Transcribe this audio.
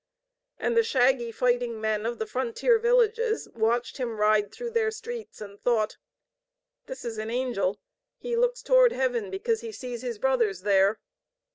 And the shaggy fighting men of the frontier villages watched him ride through their streets, and thought: "This is an angel. He looks toward heaven because he sees his Brothers there."